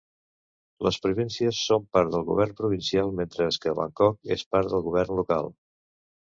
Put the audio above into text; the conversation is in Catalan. Les províncies són part del govern provincial, mentre que Bangkok és part del govern local.